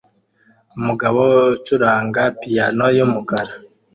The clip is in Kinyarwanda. Umugabo ucuranga piyano yumukara